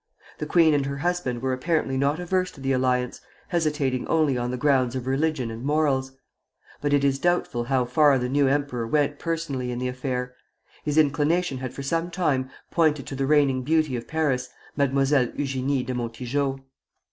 The queen and her husband were apparently not averse to the alliance, hesitating only on the grounds of religion and morals; but it is doubtful how far the new emperor went personally in the affair. His inclination had for some time pointed to the reigning beauty of Paris, Mademoiselle Eugénie de Montijo.